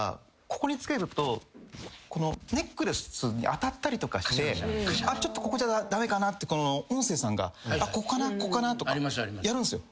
ここに着けるとネックレスに当たったりとかしてちょっとここじゃ駄目かなって音声さんがここかなここかなとかやるんですよ。